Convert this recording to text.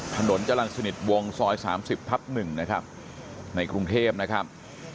ถนนจรรสนิทวงซอยสามสิบพับหนึ่งนะครับในกรุงเทพนะครับ